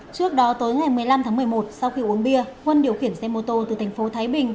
trước đó tối ngày một mươi năm tháng một mươi một sau khi uống bia huân điều khiển xe mô tô từ thành phố thái bình